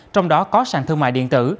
trong đó có sản thương mại điện tử